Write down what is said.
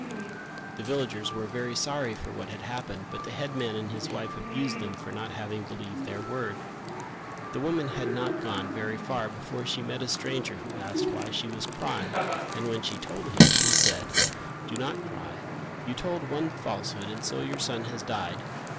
The villagers were very sorry for what had happened but the headman and his wife abused them for not having believed their word. The woman had not gone very far before she met a stranger who asked why she was crying and when she told him, he said: "Do not cry: you told one falsehood and so your son has died.